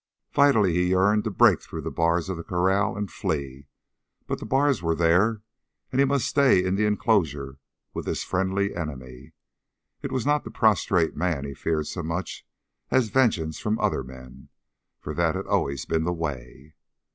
Vitally he yearned to break through the bars of the corral and flee, but the bars were there and he must stay in the inclosure with this friendly enemy. It was not the prostrate man he feared so much as vengeance from other men, for that had always been the way.